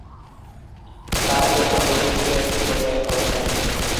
তার প্রথম বইটি ছিল একটি বৈজ্ঞানিক কল্পকাহিনি।